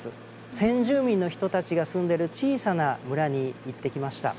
先住民の人たちが住んでる小さな村に行ってきました。